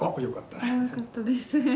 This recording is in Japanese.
よかったです。